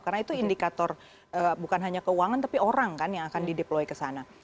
karena itu indikator bukan hanya keuangan tapi orang kan yang akan di deploy ke sana